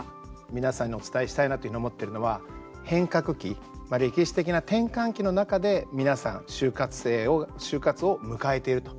皆さんにお伝えしたいなというふうに思っているのは変革期、歴史的な転換点の中で皆さん、就活を迎えていると。